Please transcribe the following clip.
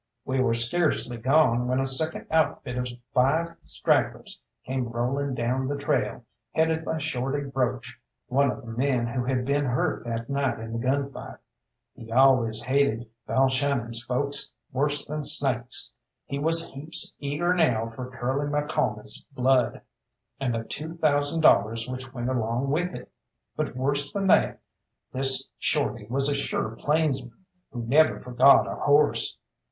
We were scarcely gone when a second outfit of five stragglers came rolling down the trail, headed by Shorty Broach, one of the men who had been hurt that night in the gun fight. He always hated Balshannon's folks worse than snakes; he was heaps eager now for Curly McCalmont's blood; and the two thousand dollars which went along with it. But worse than that, this Shorty was a sure plainsman, who never forgot a horse.